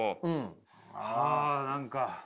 はあ何か。